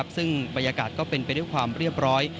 ซึ่งบรรยากาศก็เป็นไปด้วยความเรียบร้อย